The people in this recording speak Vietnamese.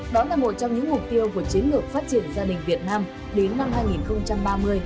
đó là một trong những mục tiêu của chiến lược phát triển gia đình việt nam đến năm hai nghìn ba mươi